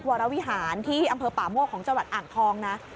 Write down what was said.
วรวิหารที่อำเภอป่าโมกของจังหวัดอ่างทองนะ